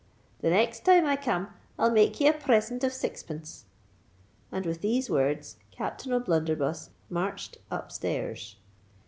"The next time I come, I'll make ye a present of sixpence." And with these words Captain O'Blunderbuss marched up stairs.